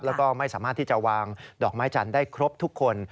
แล้วก็ไม่สามารถที่จะวางดอกไม้จันทร์ได้ครบทุกคน